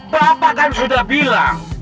bapak kan sudah bilang